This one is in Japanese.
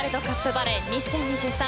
バレー２０２３